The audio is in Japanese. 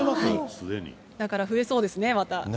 だから増えそうですね、また。